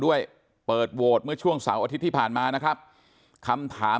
ด้วยเปิดโหวตเมื่อช่วงเสาร์อาทิตย์ที่ผ่านมานะครับคำถาม